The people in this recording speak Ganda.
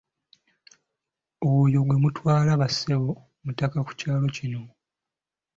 Oyo gwe mutwala ba ssebo mutaka ku kyalo kino.